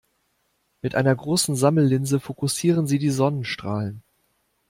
Mit einer großen Sammellinse fokussieren sie die Sonnenstrahlen.